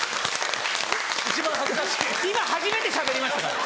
今初めてしゃべりましたから。